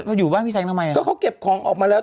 อยู่บ้านพี่แซงทำไมอ่ะก็เขาเก็บของออกมาแล้ว